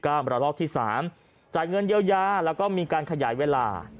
ระลอกที่๓จ่ายเงินเยียวยาแล้วก็มีการขยายเวลา